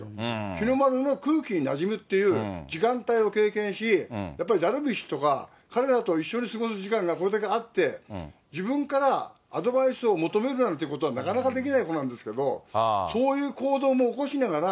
日の丸の空気になじむっていう時間帯を経験し、やっぱりダルビッシュとか、彼らと一緒に過ごす時間がそれだけあって、自分からアドバイスを求めるなんていうことは、なかなかできない子なんですけど、そういう行動も起こしながら、